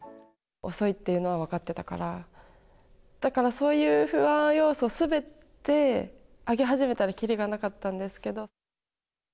遅いっていうのは分かってたから、だからそういう不安要素すべて、挙げ始めたら切りがなかったんですけど。